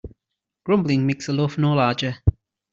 Grumbling makes the loaf no larger.